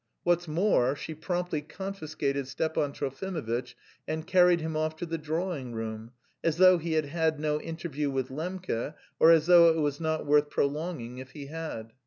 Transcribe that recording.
What's more, she promptly confiscated Stepan Trofimovitch and carried him off to the drawing room as though he had had no interview with Lembke, or as though it was not worth prolonging if he had.